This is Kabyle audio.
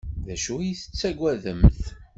D acu ay tettaggademt?